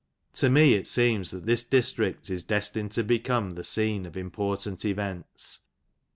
To me it seems that this district is destined to become the scene of important events.